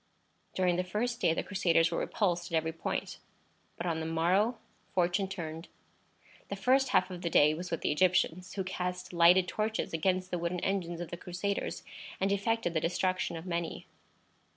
During the first day the Crusaders were repulsed at every point; but on the morrow fortune turned. The first half of the day was with the Egyptians, who cast lighted torches against the wooden engines of the Crusaders, and effected the destruction of many.